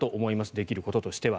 できることとしては。